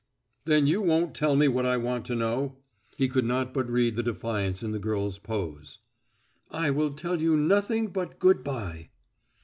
"Then you won't tell me what I want to know?" He could not but read the defiance in the girl's pose. "I will tell you nothing but good by."